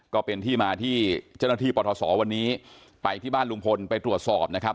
ก็เป็นที่มาที่เจ้าหน้าที่ปทศวันนี้ไปที่บ้านลุงพลไปตรวจสอบนะครับ